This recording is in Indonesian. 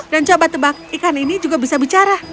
dan coba tebak ikan ini juga bisa bicara